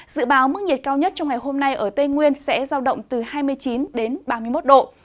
dự báo mức nhiệt cao nhất trong ngày hôm nay ở tây nguyên sẽ giao động từ hai mươi chín ba mươi một độ